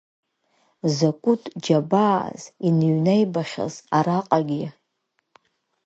Закәытә џьабааз иныҩнаибахьаз араҟагьы!